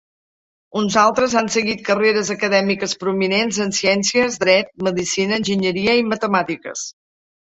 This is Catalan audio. Uns altres han seguit carreres acadèmiques prominents en ciències, dret, medicina, enginyeria i matemàtiques.